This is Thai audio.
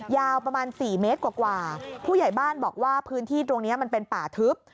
ยาวประมาณ๔เมตรกว่าผู้ใหญ่บ้านบอกว่าพื้นที่ตรงนี้มันเป็นป่าทึบ